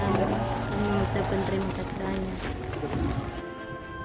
dan mengucapkan terima kasih banyak